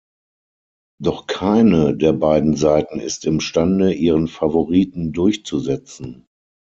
Doch keine der beiden Seiten ist imstande, ihren Favoriten durchzusetzen.